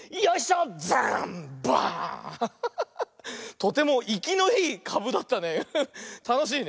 とてもいきのいいかぶだったね。